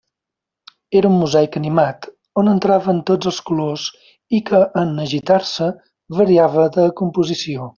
Era un mosaic animat, on entraven tots els colors i que en agitar-se variava de composició.